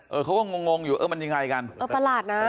เออเขาก็งงงอยู่เออมันอย่างไงกันเออปาดนะ